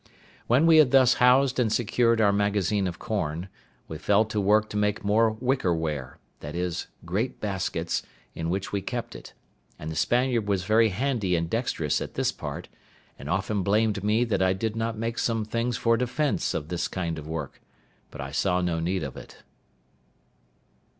When we had thus housed and secured our magazine of corn, we fell to work to make more wicker ware, viz. great baskets, in which we kept it; and the Spaniard was very handy and dexterous at this part, and often blamed me that I did not make some things for defence of this kind of work; but I saw no need of it.